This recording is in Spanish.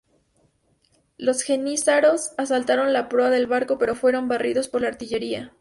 Los jenízaros asaltaron la proa del barco pero fueron barridos por la artillería.